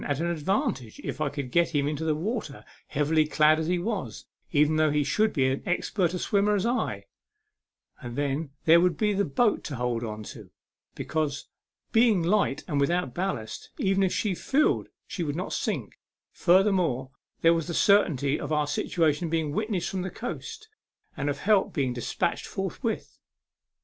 77 at an advantage if I could get him into the water, heavily clad as he was, even though he should be as expert a swimmer as I ; and then there would be the boat to hold to, be cause, being light and without ballast, even if she filled she would not sink ; furthermore, there was the certainty of our situation being witnessed from the coast, and of help being despatched forthwith.